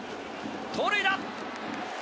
盗塁だ！